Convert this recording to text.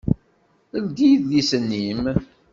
Ldi idlisen-im!